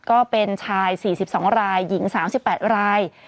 ก็เป็นชาย๔๒รายหญิง๓๘ราย